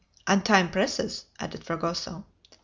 "And time presses!" added Fragoso.